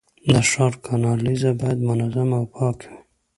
د ښار کانالیزه باید منظمه او پاکه وي.